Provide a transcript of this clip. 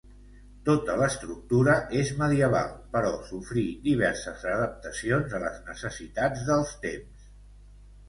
Tota l'estructura és medieval, però sofrí diverses adaptacions a les necessitats dels temps.